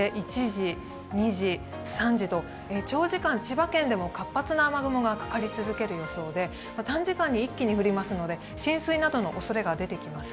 長時間、千葉県でも活発な雨雲がかかり続ける予想で短時間に一気に降りますので浸水などのおそれが出てきます。